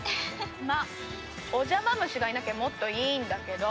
まあお邪魔虫がいなきゃもっといいんだけど。